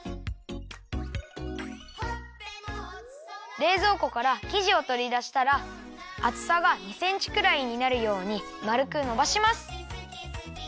れいぞうこからきじをとりだしたらあつさが２センチくらいになるようにまるくのばします。